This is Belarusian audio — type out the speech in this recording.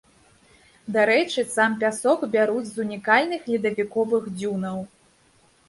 Дарэчы, сам пясок бяруць з унікальных ледавіковых дзюнаў.